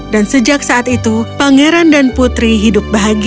dan sejak saat itu pangeran dan putri hidup bahagia selama itu